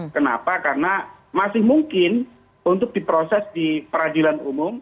kenapa karena masih mungkin untuk diproses di peradilan umum